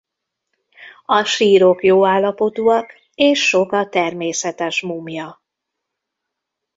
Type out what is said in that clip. A sírok jó állapotúak és sok a természetes múmia.